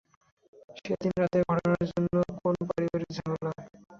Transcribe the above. সেদিন রাতের ঘটনার জন্য কোন পারিবারিক ঝামেলা?